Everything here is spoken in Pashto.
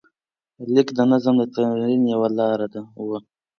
لیک د نظم د تمرین یوه لاره وه.